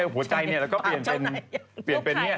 หัวใจเราก็เปลี่ยนเป็น